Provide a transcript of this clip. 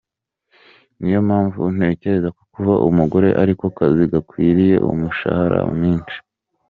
niyo mpamvu ntekerezako kuba umugore ariko kazi gakwiriye umushahara mwinshi.